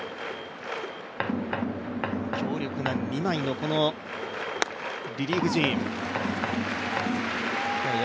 強力な２枚のリリーフ陣。